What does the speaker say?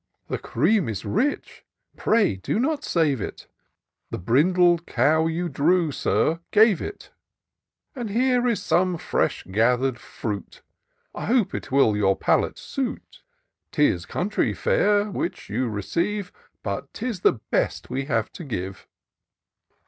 The cream is rich, pray do not save it ; The brindled cow you drew. Sir, gave it: And here is some fresh gather'd fruit — I hope it will your palate suit: 'Tis country fare which you receive, But 'tis the best we have to give."